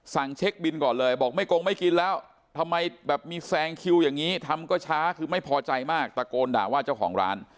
เช็คบินก่อนเลยบอกไม่โกงไม่กินแล้วทำไมแบบมีแซงคิวอย่างนี้ทำก็ช้าคือไม่พอใจมากตะโกนด่าว่าเจ้าของร้าน